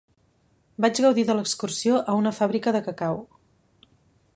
Vaig gaudir de l'excursió a una fàbrica de cacau.